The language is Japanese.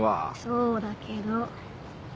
そうだけど。